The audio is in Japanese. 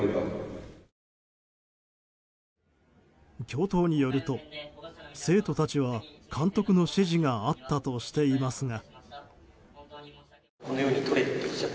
教頭によると生徒たちは監督の指示があったとしていますが。